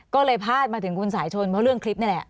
ก็เลยพาดมาถึงคุณสายชนเพราะเรื่องคลิปนี่แหละ